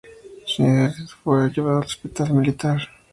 Schneider fue llevado al Hospital Militar.